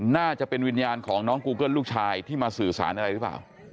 น่าจะเป็นวิญญาณของน้องกูเกิ้ลลูกชายที่มาสื่อสารอะไรหรือเปล่า